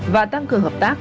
và tăng cường hợp tác